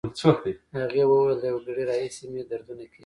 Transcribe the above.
هغې وویل: له یو ګړی راهیسې مې دردونه کېږي.